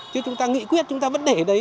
chứ chúng ta nghị quyết chúng ta vẫn để đấy